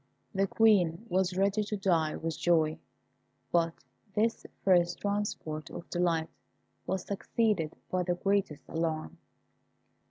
The Queen was ready to die with joy; but this first transport of delight was succeeded by the greatest alarm.